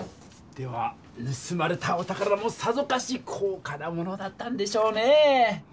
ではぬすまれたお宝もさぞかし高価なものだったんでしょうね！